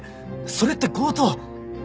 それって強盗？